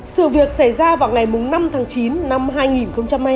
sự việc xảy ra vào ngày năm tháng chín năm hai nghìn hai mươi ba